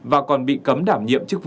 và còn bị cấm đảm nhiệm chức vụ